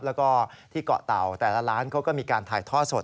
แล้วก็ที่เกาะเต่าแต่ละร้านเขาก็มีการถ่ายทอดสด